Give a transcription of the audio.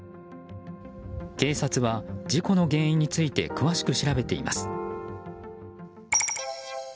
警察は、事故の原因について詳しく調べています。